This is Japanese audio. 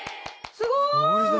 すごい！